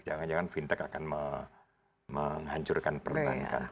jangan jangan fintech akan menghancurkan perbankan